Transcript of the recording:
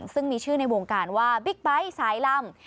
ซึ่งมีชื่อในวงการว่าบิ๊กไบท์สายลำ